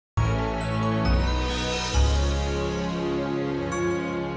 jangan lupa like share dan subscribe ya